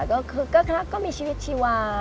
ก็คือก็มีชีวิตชีวา